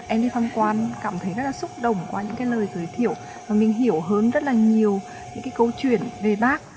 em đi thăm quan cảm thấy rất là xúc động qua những lời giới thiệu và mình hiểu hơn rất là nhiều những câu chuyện về bác